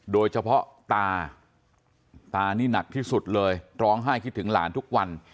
โดยเฉพาะตาตานี่หนักที่สุดเลยร้องไห้คิดถึงหลานทุกวัน